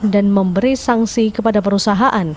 memberi sanksi kepada perusahaan